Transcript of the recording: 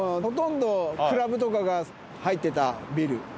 ほとんどクラブとかが入ってたビル。